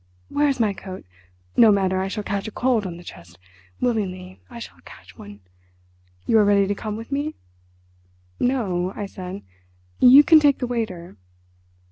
"Where is my coat? No matter, I shall catch a cold on the chest. Willingly, I shall catch one.... You are ready to come with me?" "No," I said; "you can take the waiter."